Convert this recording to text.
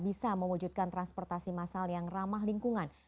bisa mewujudkan transportasi masal yang ramah lingkungan